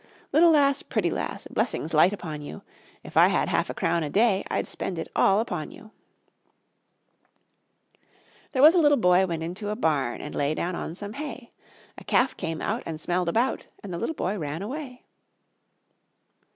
Little lass, pretty lass, Blessings light upon you; If I had half a crown a day, I'd spend it all upon you. There was a little boy went into a barn And lay down on some hay; A calf came out and smelled about, And the little boy ran away.